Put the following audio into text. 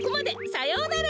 さようなら。